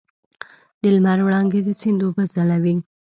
د لمر وړانګې د سیند اوبه ځلوي.